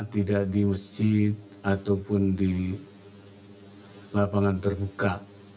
tidak di masjid ataupun di lapangan terbuka